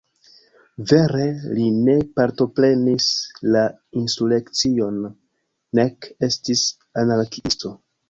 Vere li ne partoprenis la insurekcion nek estis anarkiisto.